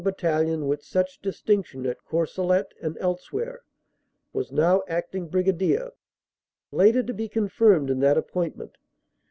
Battalion with such distinction at Courcelette and elsewhere, was now Acting Brigadier, later to be confirmed in that ap pointment.